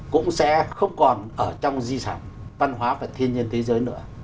cũng sẽ không còn ở trong di sản văn hóa và thiên nhiên thế giới nữa